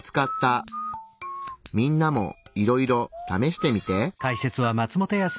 みんなもいろいろ試してみて。